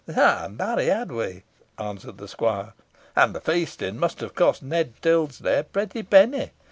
"Ay, marry had we," answered the squire, "and the feasting must have cost Ned Tyldesley a pretty penny.